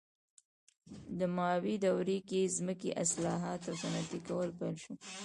د ماو دورې کې ځمکې اصلاحات او صنعتي کول پیل شول.